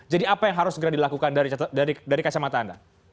jadi apa yang harus segera dilakukan dari kacamata anda